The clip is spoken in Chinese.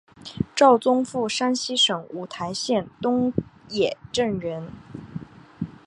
赵宗复山西省五台县东冶镇人。